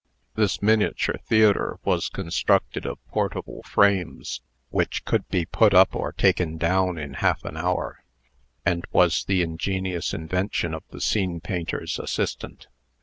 This miniature theatre was constructed of portable frames, which could be put up or taken down in half an hour, and was the ingenious invention of the scene painter's assistant.